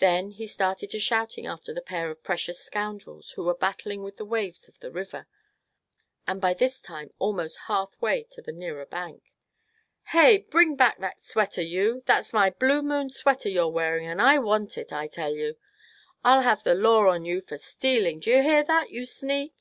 Then he started to shouting after the pair of precious scoundrels who were battling with the waves of the river, and by this time almost half way to the nearer bank. "Hey, bring back that sweater, you! That's my blue moon sweater you're wearing, and I want it, I tell you! I'll have the law on you for stealing, d'ye hear that, you sneak?